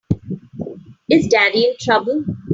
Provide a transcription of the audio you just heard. Is Daddy in trouble?